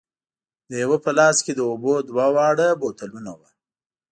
د یوه په لاس کې د اوبو دوه واړه بوتلونه وو.